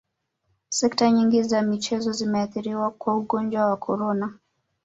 sekta nyingi za michezo zimeathiriwa kwa ugonjwa wa corona